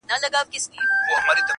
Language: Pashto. واک د زړه مي عاطفو ته ورکړ ځکه.